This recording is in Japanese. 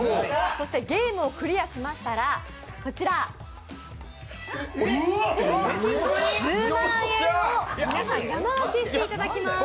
そしてゲームをクリアしましたら賞金１０万円を皆さんに山分けしていただきます。